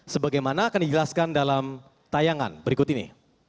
sebagaimana akan dijelaskan dalam tayangan berikut ini